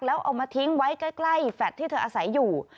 แล้วเอามาทิ้งไว้ใกล้แฟลตที่เธออาศัยอยู่